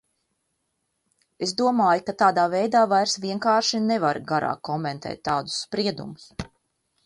Es domāju, ka tādā veidā vairs vienkārši nevar garāk komentēt tādus spriedumus.